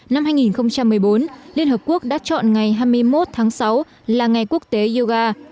năm hai nghìn một mươi bốn liên hợp quốc đã chọn ngày hai mươi một tháng sáu là ngày quốc tế yoga